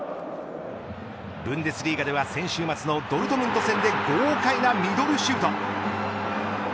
ブンデスリーガでは先週末のドルトムント戦で豪快なミドルシュート。